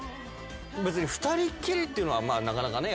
別に２人っきりっていうのはなかなかね